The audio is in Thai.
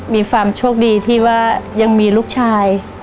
มีความโชคดีที่ว่ายังมีลูกชาย